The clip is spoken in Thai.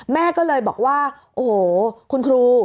แม่ก็เลยบอกว่าโอ้โหคุณครู